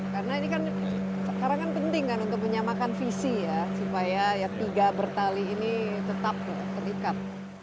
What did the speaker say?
karena ini kan sekarang kan penting kan untuk menyamakan visi ya supaya tiga bertali ini tetap terikat